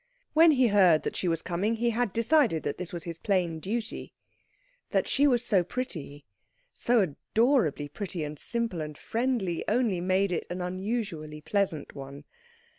When he heard that she was coming he had decided that this was his plain duty: that she was so pretty, so adorably pretty and simple and friendly only made it an unusually pleasant one.